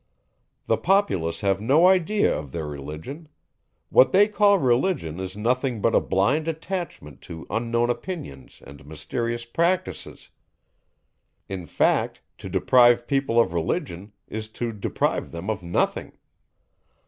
The populace have no idea of their Religion; what they call Religion is nothing but a blind attachment to unknown opinions and mysterious practices. In fact, to deprive people of Religion is to deprive them of nothing.